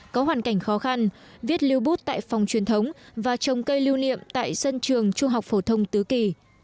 có hoàn cảnh khó khăn viết lưu bút tại phòng truyền thống và trồng cây lưu niệm tại sân trường trung học phổ thông tứ kỳ